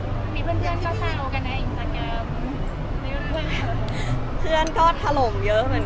มีเพื่อนก็ทราบกันนะอีกสักครั้ง